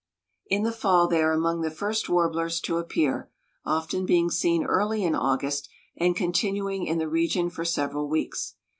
In the fall they are among the first warblers to appear, often being seen early in August, and continuing in the region for several weeks.